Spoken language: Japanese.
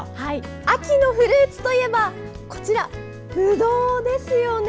秋のフルーツといえばこちら、ぶどうですよね。